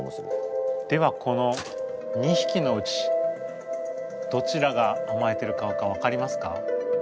ではこの２ひきのうちどちらがあまえてる顔か分かりますか？